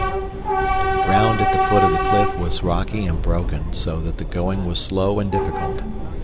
The ground at the foot of the cliff was rocky and broken so that the going was slow and difficult.